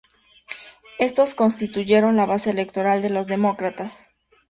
Estos constituyeron la base electoral de los demócratas.